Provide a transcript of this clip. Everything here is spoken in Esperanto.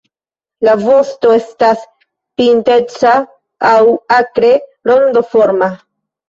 La vosto estas pinteca aŭ akre rondoforma.